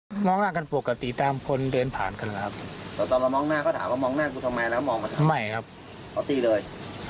นี่แหละครับคุณผู้ชมพอร์ตทำร้าย